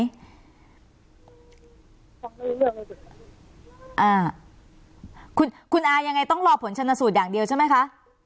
ผมไม่รู้เรื่องเลยจริงค่ะอ่าคุณอายังไงต้องรอผลชนสูตรอย่างเดียวใช่ไหมคะ